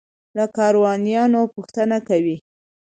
له کاروانیانو پوښتنه کوي.